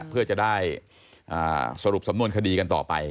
เพื่อจะได้สรุปสำนวนคดีกันต่อไป